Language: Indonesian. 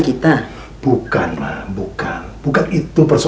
kita harus ubah marco